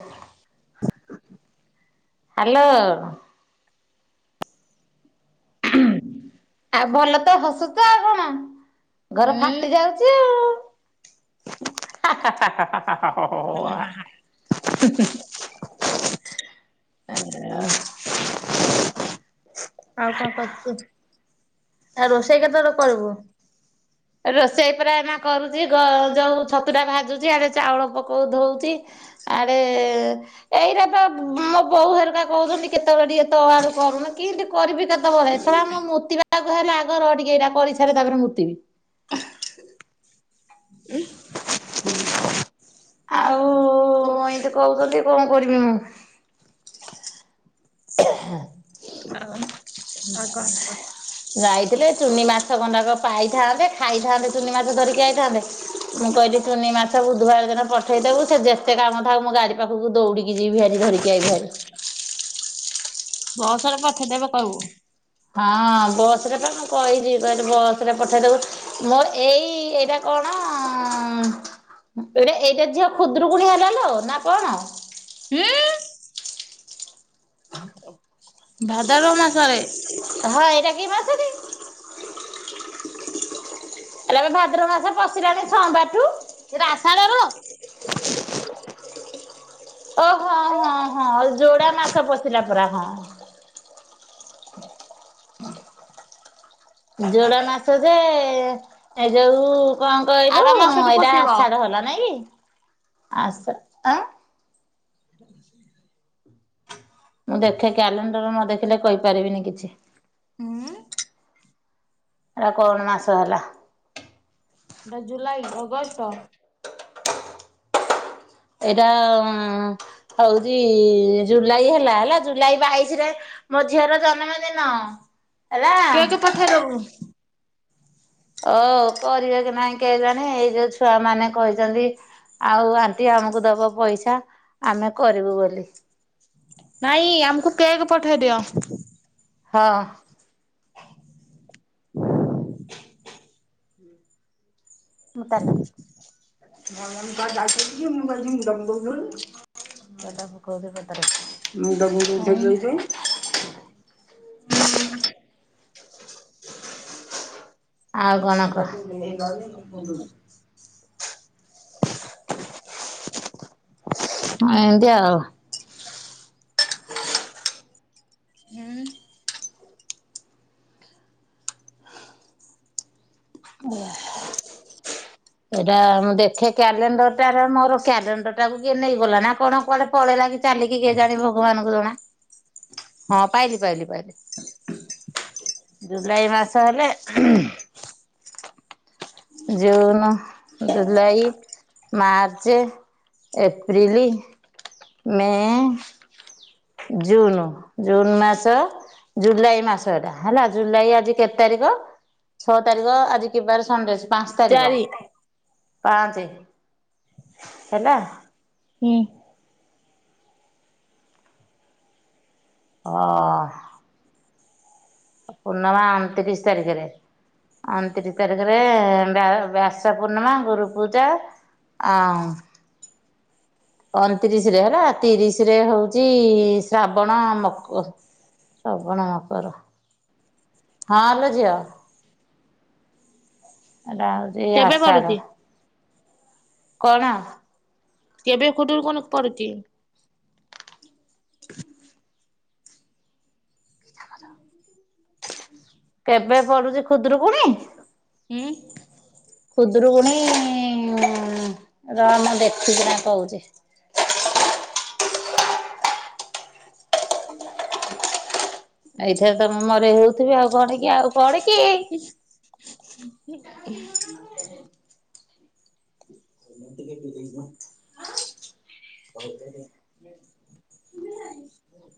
ହ [unintelligible] ହ୍ୟାଲୋ ଆଉ ଭଲ ତ ହସୁଛ ଆଉ କଣ ଘର ହୁଁ ଫାଟି ଯାଉଛି ହା ହା ହା ହା ହୋ ହୋ ଓଁ ହଁ ହଁ ହିଁ ହିଁ ଆଉ କଣ କରୁଛୁ ଆ ରୋଷେଇ କେତେବେଳେ କରିବୁ ରୋଷେଇ ପୁରା ଏଇନା କରୁଛି ଗ୍ ଯୋଉ ଛତୁ ଟା ଭାଜୁଛି ଆଡେ ଚାଉଳ ପକଉ ଧଉଛି ସାଡ଼େ ଏଇଟା ତ ମୋ ବୋଉ ହେରିକା କହୁଛନ୍ତି କେତେବେଳେ ଟିକେ ତ ଆଳୁ କରୁନ କେମତି କରିବି କେତେବେଳେ ହେସା ଆମ ମୁତିବା ଆଗକୁ ହେଲେ ଆଗର ଟିକେ ଏଇଟା କରିସାରେ ତାପରେ ମୁତିବି ହୁଁ ଆଉ ଏଇମତି କହୁଛନ୍ତି କଣ କରିବି ମୁଁ ହଁ ଆଉ ଆଉ କଣ ଯାଇଥିଲେ ଚୁନି ମାସ ଗଣ୍ଡାକ ପାଇଥାନ୍ତେ ଖାଇଥାନ୍ତେ ଚୁନି ମାଛ ଧରିକି ଯାଇଥାନ୍ତେ ମୁଁ କିଇଲି ଚୁନି ମାଛ ବୁଧୁ ବାର ଦିନ ପଠେଇ ଦବୁ ସେ ଯେତେ କାମ ଥାଉ ମୁଁ ଗାଡି ପା ଆଗକୁ ଦୌଡିକି ଯିବି ହେରି ଧରିକି ଆଇବି ହେରି ବସରେ ପଠେଇଦେବେ କହିବୁ ହଁ ବସ ରେ ତ ମୁଁ କହିଛି କହିଲି ବସରେ ପଠେଇଦବୁ ମୋ ଏଇ ଏଇଟା କଣ ଏ ଏଇଟା ଝିଅ ଖୁଦ୍ର କୁଣି ହେଲା ଲ ନା କଣ ହୁଁ ଭାଦ୍ରବ ମାସରେ ହଁ ଏଇଟା କି ମାସ କି ହେଲ ଏବେ ଭାଦ୍ରବ ମାସ ପଶିଲାଣି ସୋମବାରଠୁ ଏଟା ଆଷାଡ ର ଓହଁ ହଁ ହଁ ଯୋଡା ମାସ ପଶିଲା ପରା ହଁ ଯୋଡା ମାସ ଯେ ଏ ଯୋଉ କଣ କହିଲୁ ଆର ମାସଠୁ ଏଇଟା ପଶିବ। ଆଶାଡ ହେଲା ନାଇଁ ଆସ ଆ ହ ମୁଁ ଦେଖେ କ୍ୟାଲେଣ୍ଡର ନ ଦେଖିଲେ କହିପାରିବିନି କିଛି ହଁ ଏଟ କଣ ମାସ ହେଲା ଜୁଲାଇ ଅଗଷ୍ଟ ଏଇଟା ହଉଛି ଜୁଲାଇ ହେଲା ହେଲା ଜୁଲାଇ ବାଇଶରେ ମୋ ଝିଅର ଜନ୍ମଦିନ ହେଲା କେକ ପଠେଇ ଦେବୁ ଓ କରିବେ କି ନାହିଁ କେହି ଜାଣେ ଏଇ ଯୋଉ ଛୁଆ ମାନେ କହିଛନ୍ତି ଆଉ ଆଣ୍ଟି ଆମକୁ ଦବ ପଇସା ଆମେ କରିବୁ ବୋଲି ନାଇଁ ଆମକୁ କେକ୍ ପଠେଇ ଦିଅ ହଁ ହଁ ମୁତଲ ବାଟା ମୁ ମୁବଟା ଫଟା ରଖ [unintelligible] ମୁଣ୍ଡ କୁଣ୍ଡଉ ହୁଁ ଥିଲି ଏଠେ ହ ଆଉ କଣ କହ ଏତିଆ ଆଉ ହୁଁ ଓହା ଏଇଟା ମୁଁ ଦେଖେ କ୍ୟାଲେଣ୍ଡର ଟାରେ ମୋର କ୍ୟାଲେଣ୍ଡର ଟାକୁ କିଏ ନେଇଗଲା ନା କଣ କୁଆଡେ ପଳେଇଲା କି ଚାଲିକି କେ ଜାଣି ଭଗବାନଙ୍କୁ ଜଣା ହଁ ପାଇଲି ପାଇଲି ପାଇଲି ଜୁଲାଇ ମାସ ହେଲେ June July March April May June June ମାସ ଜୁଲାଇ ମାସ ଏଟା ହେଲା ଜୁଲାଇ ଆଜି କେତେ ତାରିଖ ଛଅ ତାରିଖ ଆଜି କିବାର ସଣ୍ଡେ ଅଛି ପାଞ୍ଚ ତାରିଖ ଚାରି ପାଞ୍ଚେ ହେଲା ହୁଁ ଅହ ପୂର୍ଣ୍ଣମା ଅଣତିରିଶ ତାରିଖରେ। ଅଣତିରିଶ ତାରିଖରେ ବ୍ୟା ବ୍ୟାସ ପୂର୍ଣ୍ଣମା ଗୁରୁ ପୂଜା। ଆଉଁ ଅଣତିରିଶ ରେ ହେଲା ତିରିଶ ରେ ହଉଛି ଶ୍ରାବଣ ମକ ସବଣ ମକର ହଁଲୋ ଝିଅ। ଏଟା ହୋଉଚି କେବେ ଆଷାଢ଼ ପଡୁଛି? କଣ? କେବେ ଖୁଡୁରୁ କୁଣୁ ପଡୁଚି। [inaudible] କେବେ ପଡୁଚି ଖୁଦୁରୁକୁଣୀ। ହୁଁ। ଖୁଦରୁକୁୁଣି ରହ ମୁଁ ଦେଖିକିଣା କହୁଚି। ଏଇଥରେ ତମ ମରେଇ ହଉଥିବେ ଆଉ କଣ କି ଆଉ କଣ କି?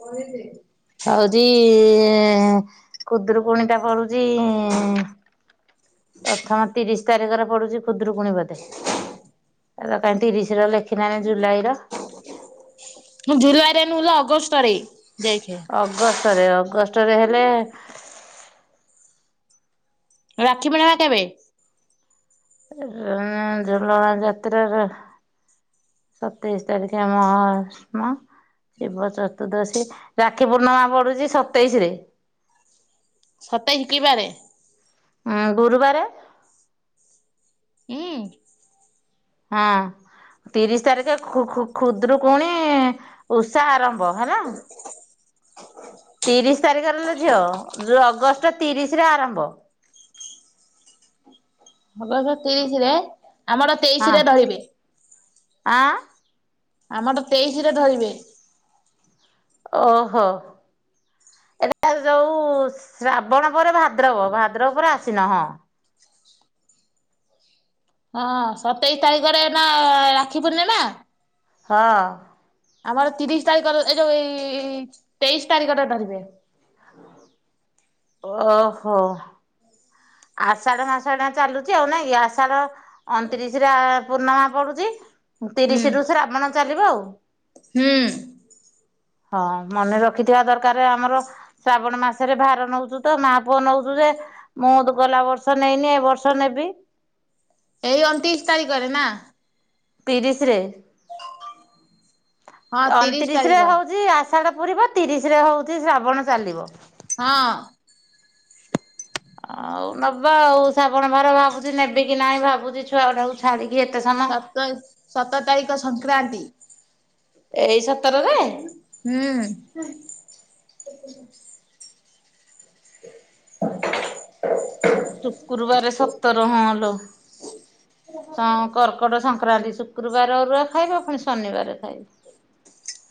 କହିଲି। ହଉଚି ଖୁଦୁରୁକୁଣି ଟା ପଡୁଚି ପ୍ରଥମ ତିରିଶ ତାରିଖରେ ପଡୁଚିତ ଖୁଦୁରୁକୁଣି ବଧେ। ଏରା କାହିଁ ତିରିଶ ର ଲେଖିନାହଁ ଜୁଲାଇର। ହୁଁ ଜୁଲାଇ ରେ ନୁହେଁ ଲୋ ଅଗଷ୍ଟ ରେ ଦେଖେ। ଅଗଷ୍ଟରେ ଅଗଷ୍ଟରେ ହେଲେ ରାକ୍ଷୀ ପୂର୍ଣ୍ଣମା କେବେ? ଉଁ ଝୁଲଣ ଯାତ୍ରାରେ ସତେଇଶି ତାରିଖ ଆମ ମ ଶିବ ଚତୁଦର୍ଶି ରାକ୍ଷୀ ପୂର୍ଣ୍ଣମା ପଢୁଛି ସତେଇସି ରେ। ସତେଶି କିବାରେ। ଆଁ ଗୁରୁବାରେ। ହୁଁ। ହଁ। ତିରିଶ ତାରିଖ ଖୁ ଖୁ ଖୁ ଖୁଦୁରୁକୁଣି ଉଷା ଆରମ୍ଭ ହେଲା। ତିରିଶ ତାରିଖରେ ଲୋ ଝିଅ ଯୋଉ ଅଗଷ୍ଟ ତିରିସି ରେ ଆରମ୍ଭ। ଅଗସ ତିରିସି ରେ ଆମର ହଁ ତେଇଶି ରେ ଧଇବେ। ଆଁ ଆମଟ୍ ତେଇଶିରେ ଧରିବେ। ଓହୋ। ଏରା ଯୋଉ ଶ୍ରାବଣ ପରେ ଭାଦ୍ରବ ଭାଦ୍ରବ ପରେ ଆସିନ ହଁ। ହଁ ସତେଇଶ ତାରିଖରେ ହେନା ରାକ୍ଷୀ ପୂର୍ଣ୍ଣମା। ହଁ। ଆମର ତିରିଶ ତାରିଖ ର ଏ ଯୋଉ ଏଇ ତେଇଶି ତାରିଖ ରେ ଧରିବେ। ଓହୋ। ଆଷାଢ ମାସ ଟା ଚାଲୁଚି ଆଉ ନାଇଁ ଆଷାଢ ଅଣତିରିଶରେ ଆ ପୂର୍ଣ୍ଣମା ପଡୁଛି ହୁଁ ତିରିଶ ରୁ ଶ୍ରାବଣ ଚାଲିବ ଆଉ। ହୁଁ। ହଁ ମନେ ରଖିଥିବା ଦରକାର ଆମର। ଶ୍ରାବଣ ମାସରେ ଭାର ନଉଚୁ ତ ମା ପୁଅ ନଉଚୁ ଯେ ମୁଁ ଦୋ ଗଲା ବର୍ଷ ନେଇନି ଏ ବର୍ଷ ନେବି। ଏଇ ଅନ୍ତିସ୍ ତାରିଖରେ ନା। ତିରିଶ ରେ ହଁ ତ ତିରିଶ ଅଣତିରିଶ ରେ ତାରିଖ ହୋଉଚି ଆ ଆଷାଢ଼ ପୁରିବ ତିରିଶ ରେ ହଉଚି ଶ୍ରାବଣ ଚାଲିବ। ହଁ। ଆଉ ନବା ଆଉ ଷାବଣ ବାାର ଭାବୁଛି ନେବି କି ନାଇଁ ଭାବୁଚି ଛୁଆ ଟାକୁ ଛାଡ଼ିକି ଏତେ ସମୟ ସତ ସତର ତାରିଖ ତ ସଂକ୍ରାନ୍ତି। ଏଇ ସତରରେ ହୁଁ। ଶୁକୁରୁବାର ସତର ହଁଲୋ ହଁ କର୍କଟ ସଂ କ୍ରାନ୍ତି ଶୁକ୍ରୁବାରେ ଅରୁଆ ଖାଇବ ପୁଣି ଶନିବାର ଖାଇବ।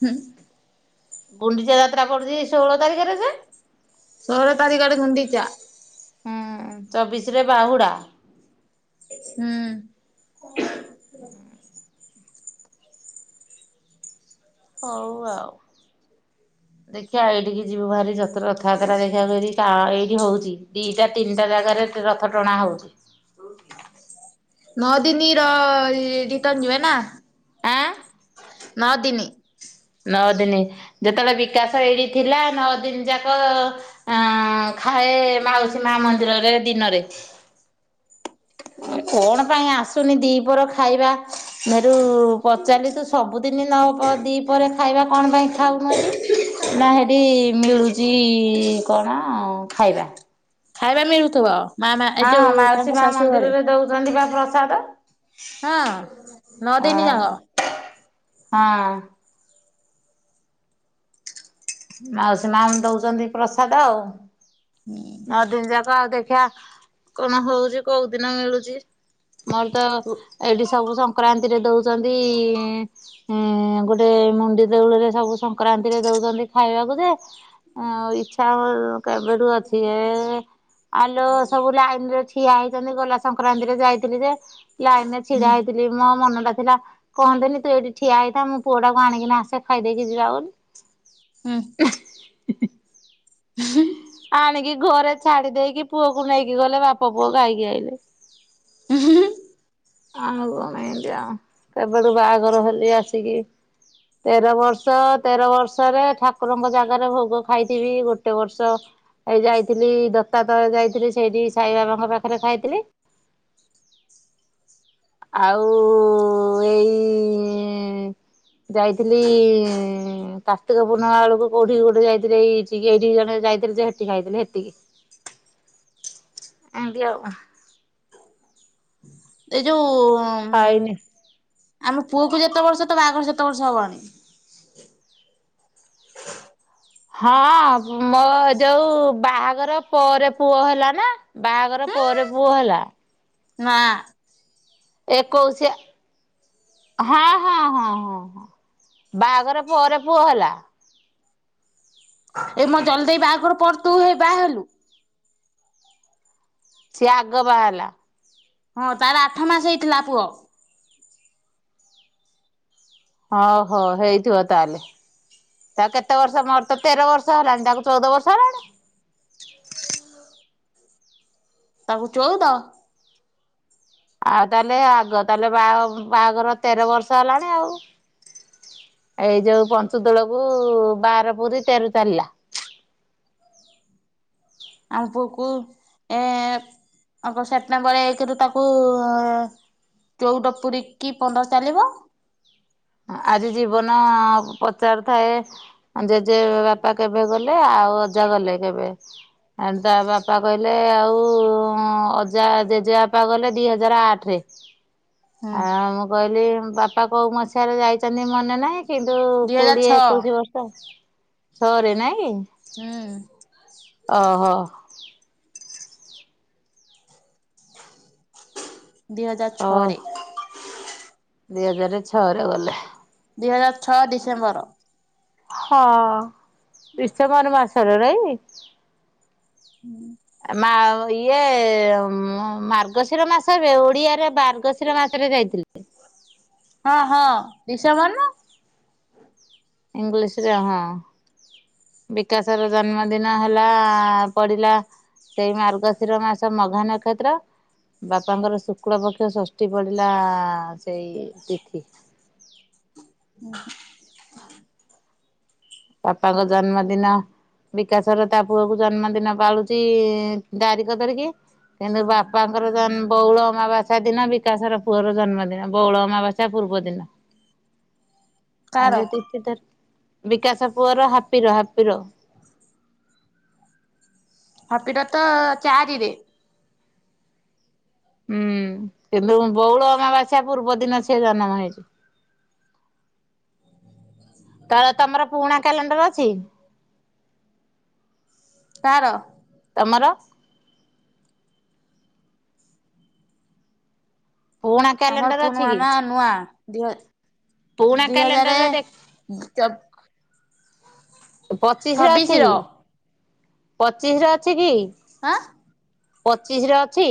ହୁଁ। ଗୁଣ୍ଡିଚା ଯାତ୍ରା ପଡୁଚି ଷୋହଳ ତାରିଖରେ ଯେ? ଷୋଳ ତାରିଖ ରେ ଗୁଣ୍ଡିଚା। ହୁଁ ଚବିଶରେ ବାହୁଡା। ହୁଁ। ହୁଁ ହଉ ଆଉ ଦେଖିବା ଏଇଠିକି ଯିବୁ ଭାରି ଯତ ରଥାବାତ୍ରା ଦେଖା କରି। ଏଇଠି ହଉଛି ଦିଟା ତିନିଟା ଜାଗାରେ ରଥ ଟଣା ହଉଚି। ନ ଦିନି ର ରିଟର୍ନ ଯିବେ ନା। ଆଁ? ନଅ ଦିନି। ନଅ ଦିନ ଯେତେବେଳେ ବିକାଶ ଏଇଠି ଥିଲା ନଅ ଦିନ ଯାକ ଅଁ ଖାଏ ମାଉସୀ ମା ମନ୍ଦିରରେ ଦିନରେ। କଣ ପାଇଁ ଆସୁନି ଦିପଅର ଖାଇବା ମରୁ ପଚାରିଲି ତୁ ସବୁଦିନ ନ ଦି ପରେ ଖାଇବା କଣ ପାଇଁ ଖଉନୁ ଏଠି? ନା ହେଠି ମିଳୁଚି କଣ ଖାଇବା। ଖାଇବା ମିଳୁଥିବ ମା ମା ଏ ହଁ ଯୋଉ ମାଉସୀ ତାଙ୍କ ମା ଶାଶୁ ଘରେ। ମନ୍ଦିରରେ ଦଉଛନ୍ତି ବା ପ୍ରସାଦ। ହଁ ନ ଦିନି ଯାକ। ହଁ। ମାଉସୀ ମା ଦଉଚନ୍ତି ପ୍ରସାଦ ଆଉ, ହୁଁ ନଅ ଦିନ ଯାକ ଆଉ ଦେଖିବା କଣ ହଉଚି କୋଉ ଦିନ ମିଳୁଚି। ମୋର ତ ହୁଁ ଏଇଠି ସବୁ ସଂକ୍ରାନ୍ତି ରେ ଦଉଚନ୍ତି ଇଁ ଏଁ ଗୋଟେ ମୁଣ୍ଡି ଦେଉଳରେ ସବୁ ସଂକ୍ରାନ୍ତିରେ ଦୋଉଚନ୍ତି ଖାଇବାକୁ ଯେ ଅଁ ଇଛା ହୋ କେବେ ଠୁ ଅଛି। ଏ ଆଲୋ ସବୁ ଲାଇନରେ ଠି ଠିଆ ହେଇଚନ୍ତି। ଗଲା ସଂକ୍ରାନ୍ତି ରେ ଯାଇଥିଲି ଯେ ଲାଇନ ରେ ଛିଡା ହେଇଥି ଲି। ମୋ ମନ ଟା ଥିଲା କହନ୍ତେନି ତୁ ଏଇଠି ଠିଆ ହେଇଥା ମୋ ପୁଅ ଟାକୁ ଆଣିକିନି ଆସେ ଖାଇଦେଇକି ଯିବା ଆ ହୁଁଁ। ଆଣିକି ଘରେ ଛାଡି ଦେଇକି ପୁଅକୁ ନେଇକି ଗଲେ ବାପ ପୁଅ ଖାଇକି ଆଇଲେ। ହୁଁ ହୁଁ ଆଉ କଣ ଏତି ଆଉ କେବେଠୁ ବାହାଘର ହେଲି ଆସିକି ତେର ବର୍ଷ ତେର ବର୍ଷରେ ଠାକୁରଙ୍କ ଜାଗାରେ ଭୋଗ ଖାଇଥିବି ଗୋଟେ ବର୍ଷ ଏଇ ଯାଇଥିଲି ଦତା ତଳେ ଯାଇଥିଲି ସେଇଠି ସାଇ ବାବାଙ୍କ ପାଖରେ ଖାଇଥିଲି। ଆଉ ଏଇ ଯାଇଥିଲି କାର୍ତିକ ପୂର୍ଣ୍ଣିମା ବେଳକୁ କୋଉଠି ଗୋଟେ ଯାଇଥିଲେ, ଏଇ ଏଇଠି ଜଣେ ଯାଇଥିଲେ ଯେ ଟି ଖାଇଥିଲି ହେତିକି। ଏନ୍ତି ଆଉ। ଏଇ ଯୋଉ ଖାଇନି। ଆମ ପୁଅକୁ ଯେତେ ବର୍ଷ ତ ବାହଘର ସେତେ ବର୍ଷ ହବଣି। ହଁ ମୋର ଯୋଉ ବାହାଘର ପରେ ପୁଅ ହେଲା ନା। ବାହାଘର ପରେ ପୁଅ ହେଲା। ନା। ଏକୋଇସିଆ ହଁ ହଁ ହଁ ହଁ ହଁ ବାହାଘର ପରେ ପୁଅ ହେଲା। ଏ ମୋ ଜଲିଦେଇ ବାହାଘର ପରେ ତୁ ହେ ବାହା ହେଲୁ। ସିଏ ଆଗ ବାହାହେଲା। ହଁ ତାର ଆଠ ମାସ ହେଇଥିଲା ପୁଅ। ଓ ହୋ ହେଇଥିବ ତାହେଲେ। ତା କେତେ ବର୍ଷ ମୋର ତେର ବର୍ଷ ହେଲାଣି, ତାକୁ ଚଉଦ ବର୍ଷ ହବଣି। ତାକୁ ଚଉଦ। ଆଉ ତାହେଲେ ଆଗ ତାହେଲେ ବାହା ବାହାଘର ତେର ବର୍ଷ ହେଲାଣି ଆଉ। ଏଇ ଯୋଉ ପଞ୍ଚୁତୋଳକୁ ବାର ପୁରି ତେର ଚାଲିଲା। ଆମ ପୁଅକୁ ଏ ଆଉ କଣ ସେପ୍ଟେମ୍ବର ଏକ ରୁ ତାକୁ ଚଉଦ ପୁରିକି ପନ୍ଦର ଚାଲିବ। ଆଜି ଜୀବନ ପଚାରୁଥାଏ ଜେଜେ ବାପା କେବେ ଗଲେ ଆଉ ଅଜା ଗଲେ କେବେ? ଆଉ ତା ବାପା କହିଲେ ଆଉ ଅଜା ଜେଜେବାପା ଗଲେ ଦିଇ ହଜାର ଆଠ ରେ, ହୁଁ ଆଉ କହିଲି ବାପା କୋଉ ମସିହାରେ ଯାଇଚନ୍ତି ମନେ ନାହିଁ, କିନ୍ତୁ ଦୁଇ ହଜାର କୋଡିଏ ଛଅ ଏକୋଇଶି ବର୍ଷ ଛଅରେ ନାଇଁ? ହୁଁ। ଓହୋ। ଦି ହଜାର ଛଅ ଛଅରେ। ଦି ହଜାର ଛଅ ରେ ଗଲେ। ଦି ହଜାର ଛଅ ଡିସେମ୍ବର। ହଁ ଡିସେମ୍ବର ମାସରେ ନେଇ? ହୁଁ। ମା ଇଏ ମାର୍ଗଶିର ମାସରେ ଓଡିଆରେ ମାର୍ଗଶିର ମାସରେ ଯାଇଥିଲେ। ହଁ ହଁ ଡ଼ିସେମ୍ବର ନା? ଇଂଲିଶ ରେ ହଁ। ବିକାଶର ଜନ୍ମଦିନ ହେଲା ପଡିଲା। ସେଇ ମାର୍ଗଶିର ମାସ ମାଘ ନକ୍ଷତ୍ର। ବାପାଙ୍କର ଶୁକ୍ଳ ପକ୍ଷ ଷଷ୍ଠୀ ପଡିଲା ସେଇ ତିଥି। ହୁଁ। ବାପାଙ୍କ ଜନ୍ମଦିନ ବିକାଶ ର ତା ପୁଅକୁ ଜନ୍ମଦିନ ପାଳୁଚି ତାରିଖ ଧରିକି। କିନ୍ତୁ ବାପାଙ୍କର ଜନ୍ ବଉଳ ଅମାବାସ୍ୟା ଦିନ ବିକାଶର ପୁଅର ଜନ୍ମଦିନ ବଉଳ ଅମାବାସ୍ୟା। ତା ପୂର୍ବଦିନ ଆଉ କାର ଯେତିକି ତାର ବିକାଶ ପୁଅର ହାପିର ହାପିର। ଫପିଟ ତ ଚାରିରେ। ହୁଁ କିନ୍ତୁ ବଉଳ ଅମାବାସ୍ୟା ପୂର୍ବ ଦିନ ସିଏ ଜନ୍ମ ହେଇଛି। ତ ତମର ପୁରୁଣା କ୍ୟାଲେଣ୍ଡର ଅଛି? ତାର ତମର? ପୁରୁଣା ଆମର କ୍ୟାଲେଣ୍ଡର ଅଛି ପୁରୁଣା କି? ନା ନୂଆ ଦୁଇହ ପୁରୁଣା ଦୁଇ ହଜାର କ୍ୟାଲେଣ୍ଡରରେ ଦେଖ ପଚିଶରେ ଛବିଶ ଅଛି ର ପଚିଶରେ ଅଛି କି? ହାଁ ପଚିଶିରେ ଅଛି?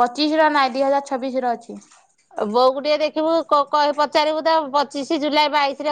ପଚିଶି ର ନାଇଁ ଦିଇ ହଜାର ଛବିଶ ର ଅଛି। ବୋଉକୁ ଟିକେ ଦେଖିବୁ କ କ ପଚାରିବୁ ତା ପଚିଶି ଜୁଲାଇ ବାଇଶରେ।